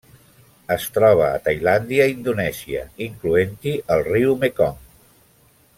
Es troba a Tailàndia i Indonèsia, incloent-hi el riu Mekong.